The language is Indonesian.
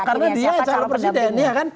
karena dia retro presiden ya kan